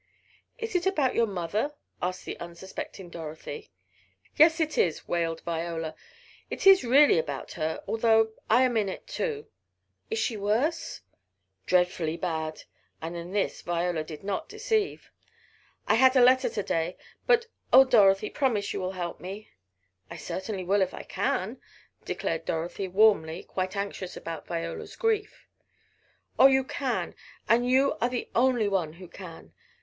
"Is it about your mother?" asked the unsuspecting Dorothy. "Yes, it is," wailed Viola. "It is really about her, although I am in it too." "Is she worse?" "Dreadfully bad" and in this Viola did not deceive . "I had a letter to day But Oh! Dorothy, promise you will help me!" "I certainly will if I can!" declared Dorothy, warmly, quite anxious about Viola's grief. "Oh, you can and you are the only one who can!